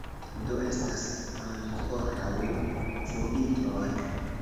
Do, estas ankoraŭ vunditoj.